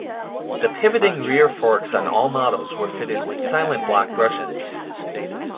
The pivoting rear-forks on all models were fitted with "Silentbloc" bushes.